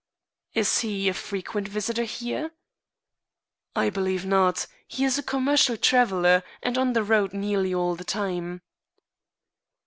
"Is he a frequent visitor here?" "I believe not. He is a commercial traveler, and on the road nearly all the time."